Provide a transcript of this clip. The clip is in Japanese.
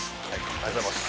ありがとうございます。